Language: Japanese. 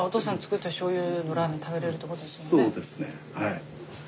そうですねはい。